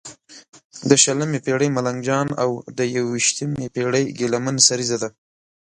د شلمې پېړۍ ملنګ جان او د یوویشمې پېړې ګیله من سریزه ده.